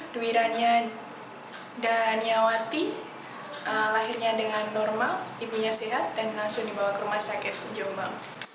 dwiranya daniawati lahirnya dengan normal ibunya sehat dan langsung dibawa ke rumah sakit jombang